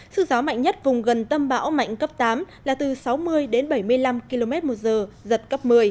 sức gió mạnh nhất vùng gần tâm bão mạnh cấp tám là từ sáu mươi đến bảy mươi năm km một giờ giật cấp một mươi